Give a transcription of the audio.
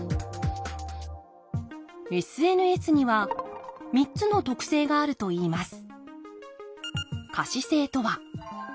ＳＮＳには３つの特性があるといいます